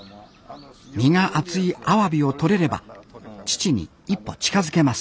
身が厚いアワビをとれれば父に一歩近づけます